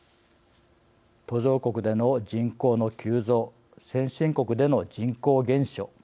途上国での人口の急増先進国での人口減少。